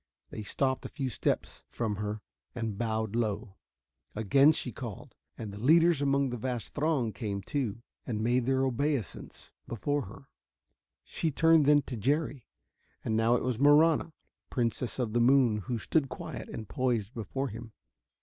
They stopped a few steps from her and bowed low. Again she called, and the leaders among the vast throng came, too, and made their obeisance before her. She turned then to Jerry. And now it was Marahna, Princess of the Moon, who stood quiet and poised before him.